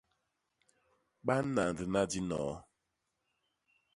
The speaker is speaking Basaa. Ba nandna dinoo.